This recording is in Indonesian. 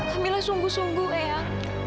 kamila sungguh sungguh eang